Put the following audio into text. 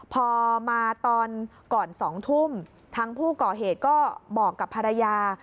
พอมาตอนก่อน๒ทุ่มทางผู้ก่อเหตุก็บอกกับภรรยา